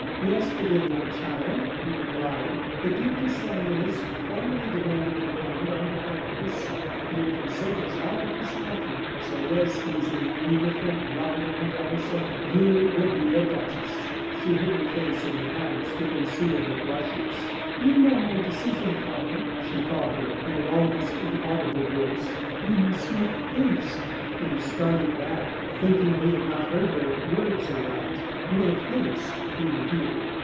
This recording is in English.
"Yesterday, my child," he replied, "the Duc de Sairmeuse formally demanded your hand on behalf of his son; your consent is all that is lacking. So rest easy, my beautiful, lovelorn damsel you will be a duchess." She hid her face in her hands to conceal her blushes. "You know my decision, father," she faltered, in an almost inaudible voice; "we must make haste." He started back, thinking he had not heard her words aright. "Make haste!" he repeated.